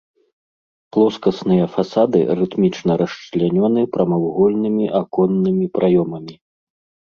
Плоскасныя фасады рытмічна расчлянёны прамавугольнымі аконнымі праёмамі.